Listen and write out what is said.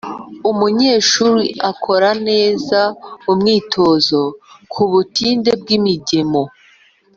umunyeshuri akore neza umwitozo ku butinde bw'imigemo.